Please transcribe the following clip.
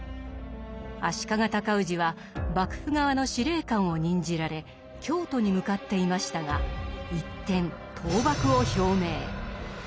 足利高氏は幕府側の司令官を任じられ京都に向かっていましたが一転討幕を表明。